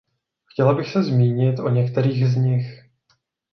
Chtěla bych se zmínit o některých z nich.